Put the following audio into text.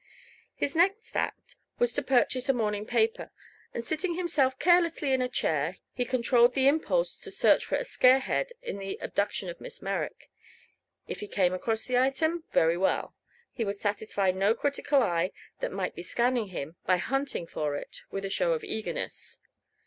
His next act was to purchase a morning paper, and seating himself carelessly in a chair he controlled the impulse to search for a "scare head" on the abduction of Miss Merrick. If he came across the item, very well; he would satisfy no critical eye that might be scanning him by hunting for it with a show of eagerness.